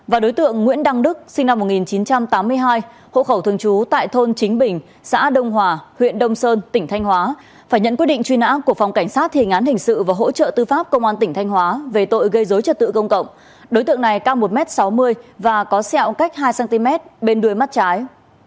và đối tượng nguyễn đăng đức sinh năm một nghìn chín trăm tám mươi hai hộ khẩu thường trú tại thôn chính bình xã đông hòa huyện đông sơn tỉnh thanh hóa phải nhận quyết định truy nã của phòng cảnh sát thề ngán hình sự và hỗ trợ tư pháp công an tỉnh thanh hóa về tội gây dối trật tự công cộng đối tượng này cao một m sáu mươi và có sẹo cách hai cm bên đuôi mắt trái